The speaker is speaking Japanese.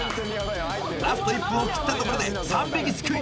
ラスト１分を切ったところで３匹すくい